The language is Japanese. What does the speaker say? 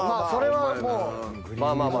まあまあまあまあ。